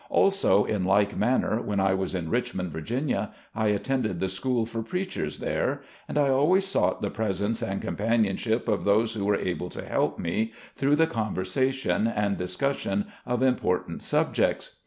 Also in like manner, when I was in Richmond, Va., I attended the school for preachers there, and I always sought the presence and compan ionship of those who were able to help me, through the conversation and discussion of important subjects.